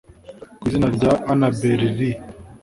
Ku izina rya ANNABEL LEE